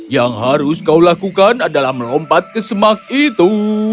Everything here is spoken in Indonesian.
yang harus kau lakukan adalah melompat ke semak itu